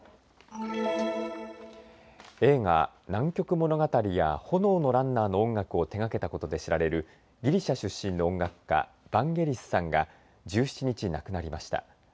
映画、南極物語や炎のランナーの音楽を手がけたことで知られるギリシャ出身の音楽家バンゲリスさんが１７日、亡くなりました。